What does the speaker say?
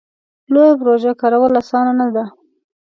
لویه پروژه کارول اسانه نه ده.